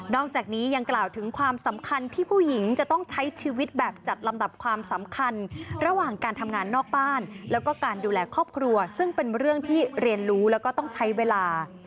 จากนี้ยังกล่าวถึงความสำคัญที่ผู้หญิงจะต้องใช้ชีวิตแบบจัดลำดับความสำคัญระหว่างการทำงานนอกบ้านแล้วก็การดูแลครอบครัวซึ่งเป็นเรื่องที่เรียนรู้แล้วก็ต้องใช้เวลา